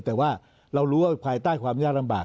แต่ว่าเรารู้ว่าภายใต้ความยากลำบาก